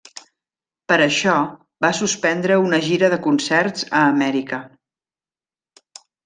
Per això, va suspendre una gira de concerts a Amèrica.